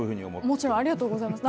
もちろんありがとうございます。